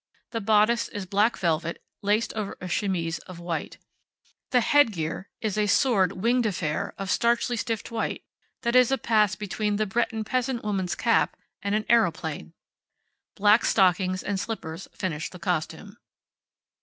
The bodice is black velvet, laced over a chemise of white. The head gear a soaring winged affair of stiffly starched white, that is a pass between the Breton peasant woman's cap and an aeroplane. Black stockings and slippers finish the costume.